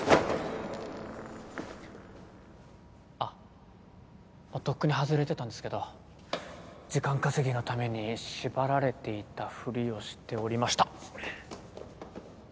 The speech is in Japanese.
あっもうとっくに外れてたんですけど時間稼ぎのために縛られていたふりをしておりました。